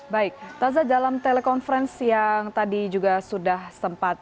baik taza dalam telekonferensi yang tadi juga sudah sempat